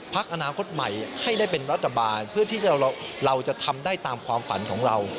พักอนาคตใหม่ให้ได้เป็นรัฐบาลเพื่อที่เราจะทำได้ตามความฝันของเรา